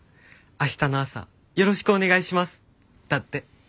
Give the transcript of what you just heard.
明日の朝よろしくお願いします」だって。